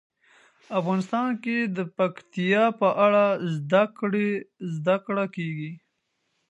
افغانستان کې د پکتیا په اړه زده کړه کېږي.